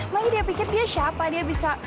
main dia pikir dia siapa dia bisa